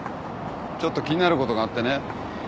ちょっと気になることがあってね。